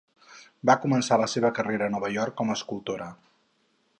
Va començar la seva carrera a Nova York com a escultora.